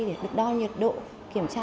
để được đo nhiệt độ kiểm tra